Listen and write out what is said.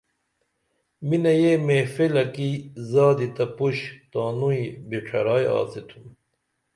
مِنہ یہ محفلہ کی زادی تہ پُش تانوئی بِڇھرائی آڅتُھم